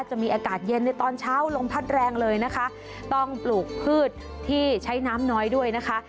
จะมีอากาศเย็นในตอนเช้าลมพัดแรงเลยนะคะต้องปลูกพืชที่ใช้น้ำน้อยด้วยนะคะ